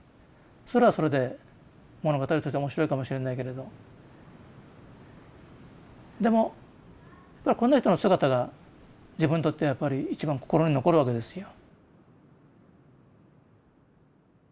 それはそれで物語として面白いかもしれないけれどでもこんな人の姿が自分にとってはやっぱり一番心に残るわけですよ。